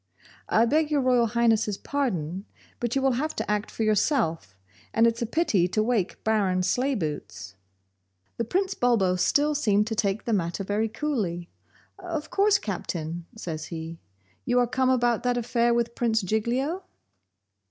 'I beg Your Royal Highness's pardon, but you will have to act for yourself, and it's a pity to wake Baron Sleibootz.' The Prince Bulbo still seemed to take the matter very coolly. 'Of course, Captain,' says he, 'you are come about that affair with Prince Giglio?